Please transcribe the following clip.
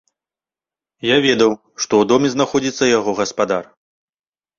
Я ведаў, што ў доме знаходзіцца яго гаспадар.